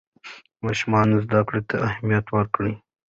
د ماشومانو زده کړې ته اهمیت ورکوي.